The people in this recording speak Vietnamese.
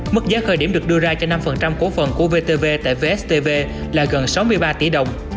mức giá khởi điểm được đưa ra cho năm cổ phần của vtv tại vstv là gần sáu mươi ba tỷ đồng